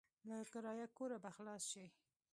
له کرايه کوره به خلاص شې.